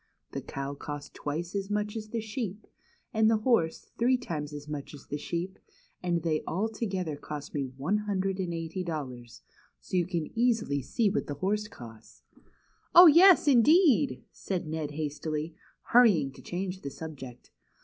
The cow cost twice as much as the sheep, and the horse three times as much as the sheep, and they all together cost me one hundred and eighty dol lars ; so you can easily see what the horse cost." " Oh, yes, indeed !" said Ned hastily, hurrying to change the subject.